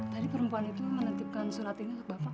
tadi perempuan itu menetipkan surat ini ke bapak